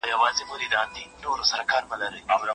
چي يې جوړي سوي سوي غلبلې كړې